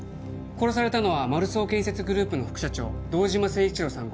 殺されたのは丸双建設グループの副社長堂島誠一郎さん